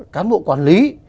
cán bộ quản lý